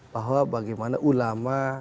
bahwa bagaimana ulama